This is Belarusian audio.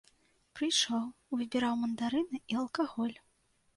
Прыйшоў, выбіраў мандарыны і алкаголь.